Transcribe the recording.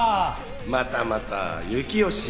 またまた！